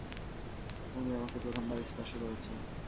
উনি আমাকে প্রথমবার স্পর্শ করেছেন।